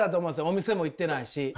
お店も行ってないし。